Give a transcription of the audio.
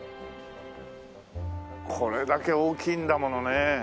これだけ大きいんだものねえ。